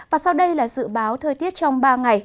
và sau đây là dự báo thời tiết trong ba ngày